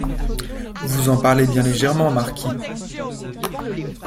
Vous en parlez bien légèrement, marquis.